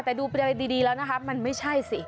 แต่ดูไปได้ดีแล้วนะคะมันไม่ใช่สิ